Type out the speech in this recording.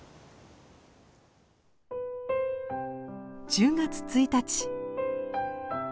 １０月１日。